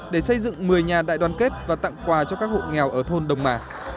để xây dựng một mươi nhà đại đoàn kết và tặng quà cho các hộ nghèo ở thôn đồng mà